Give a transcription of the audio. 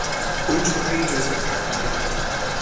او چارهای جز اطاعت ندارد.